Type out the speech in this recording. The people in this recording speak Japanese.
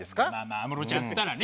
安室ちゃんっつったらね